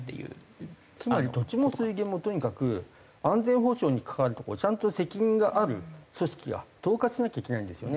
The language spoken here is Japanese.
つまり土地も水源もとにかく安全保障に関わる所ちゃんと責任がある組織が統括しなきゃいけないんですよね。